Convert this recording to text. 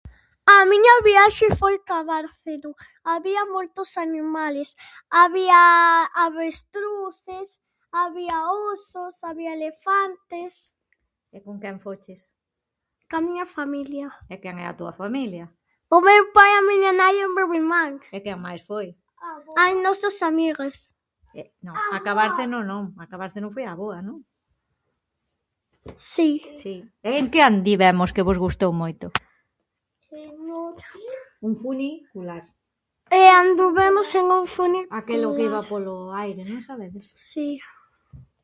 A miña viaxe foi Cabárcneo, había moitos animales. Había avestruces, había osos, había elefantes. E con que foches? Ca miña familia. E quen é a túa familia? O meu pai, a miña nai e meu irmán. E quen máis foi? As nosas amigas. A Cabárceno non, a Cabárceno foi a avoa, non? Si. E en que andivemos que vos gustou moito? Un funicular. E anduvemos en un funicular. Aquilo que iba polo aire, non sabedes? Si.